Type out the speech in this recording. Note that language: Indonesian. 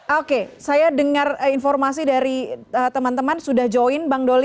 oke saya dengar informasi dari teman teman sudah join bang doli